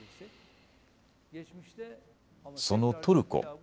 そのトルコ。